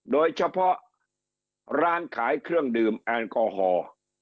โดยเฉพาะร้านขายเครื่องดื่มแอลกอฮอล์